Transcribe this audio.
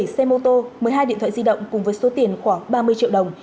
bảy xe mô tô một mươi hai điện thoại di động cùng với số tiền khoảng ba mươi triệu đồng